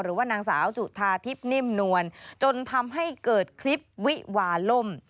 หรือว่านางสาวจุธาทิพย์นิ่มนวลจนทำให้เกิดคลิปวิวาล่ม